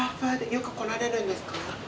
よく来られるんですか？